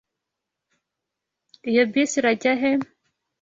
Iyo bisi ijya he?